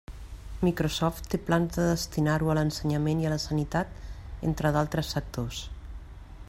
Microsoft té plans de destinar-ho a l'ensenyament i a la sanitat, entre altres sectors.